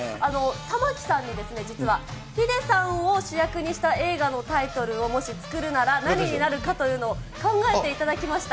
玉城さんに実は、ヒデさんを主役にした映画のタイトルを、もし作るなら何になるかというのを考えていただきました。